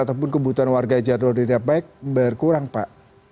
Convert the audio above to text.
ataupun kebutuhan warga jadwal ritapak berkurang pak